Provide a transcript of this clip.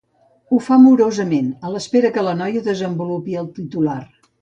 Ho fa morosament, a l'espera que la noia desenvolupi el titular.